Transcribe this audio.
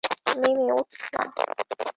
মিমি, উঠ না।